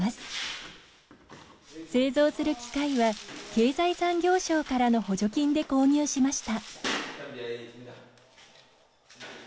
製造する機械は経済産業省からの補助金で購入しました。